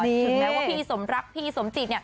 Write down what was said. ถึงแม้ว่าพี่สมรักพี่สมจิต